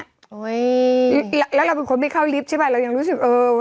แล้วเราเป็นคนไม่เข้าลิฟต์ใช่ไหมเรายังรู้สึกเออ